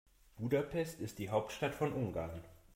Budapest ist die Hauptstadt von Ungarn.